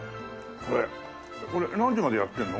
これこれ何時までやってるの？